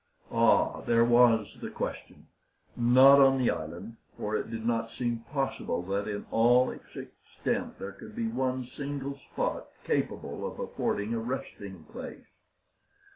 Ah! there was the question! Not on the island, for it did not seem possible that in all its extent there could be one single spot capable of affording a resting place.